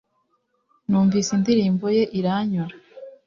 Numvise indirimbo ye iranyura